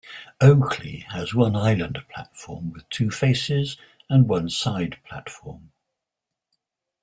Oakleigh has one island platform with two faces and one side platform.